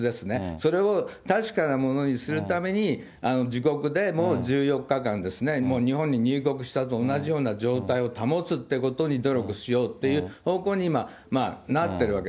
それを確かなものにするために、自国でも１４日間ですね、もう日本に入国したと同じような状態を保つってことに努力しようっていう方向に今、なってるわけ。